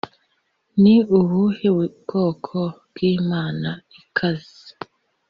ni ubuhe bwoko bwimana ikaze